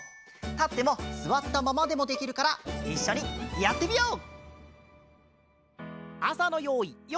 たってもすわったままでもできるからいっしょにやってみよう！